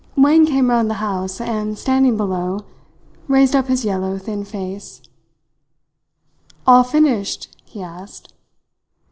Wang came round the house, and standing below, raised up his yellow, thin face. "All finished?" he asked.